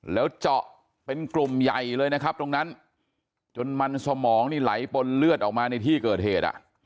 แล้วเจาะเป็นกลุ่มใหญ่เลยนะครับตรงนั้นจนมันสมองนี่ไหลปนเลือดออกมาในที่เกิดเหตุ